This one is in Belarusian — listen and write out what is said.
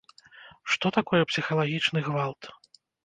Што такое псіхалагічны гвалт?